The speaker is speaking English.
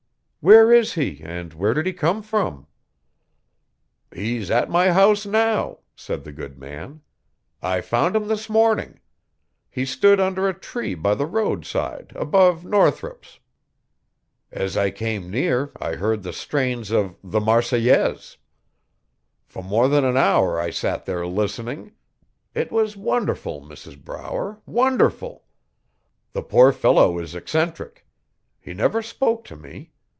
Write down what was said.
'Where is he and where did he come from?' 'He's at my house now,' said the good man. 'I found him this morning. He stood under a tree by the road side, above Northrup's. As I came near I heard the strains of "The Marseillaise". For more than an hour I sat there listening. It was wonderful, Mrs Brower, wonderful! The poor fellow is eccentric. He never spoke to me.